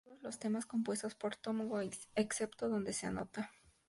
Todos los temas compuestos por Tom Waits excepto donde se anota.